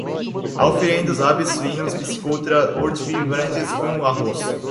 horta, minifundiários, auferindo, aves, suínos, piscicultura, hortifrutigranjeiros, fumo, arroz